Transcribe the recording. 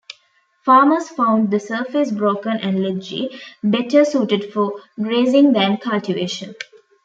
Farmers found the surface broken and ledgy, better suited for grazing than cultivation.